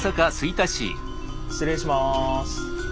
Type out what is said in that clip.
失礼します。